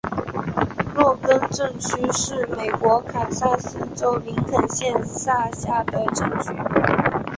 洛根镇区为美国堪萨斯州林肯县辖下的镇区。